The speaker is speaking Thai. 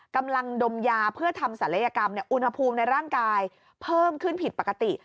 กำลังดมยาเพื่อทำศัลยกรรมอุณหภูมิในร่างกายเพิ่มขึ้นผิดปกติ